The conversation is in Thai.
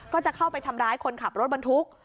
ก็จะเข้าไปทำร้ายคนขับรถบรรทุก